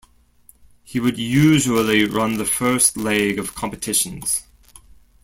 He would usually run the first leg of competitions.